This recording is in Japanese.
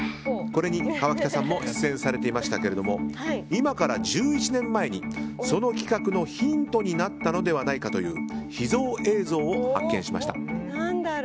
これに河北さんも出演されていましたけれども今から１１年前にその企画のヒントになったのではないかという秘蔵映像を発見しました。